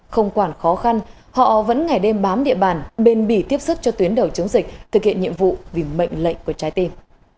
không quản khó khăn họ vẫn ngày đêm bám địa bàn bền bỉ tiếp sức cho tuyến đầu chống dịch thực hiện nhiệm vụ vì mệnh lệnh của trái tim